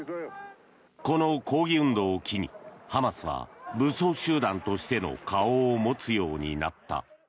この抗議運動を機にハマスは武装集団としての顔を持つようになった。